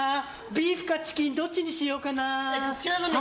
ビーフかチキンかどっちにしようかな。